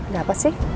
gak apa sih